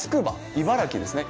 茨城ですね。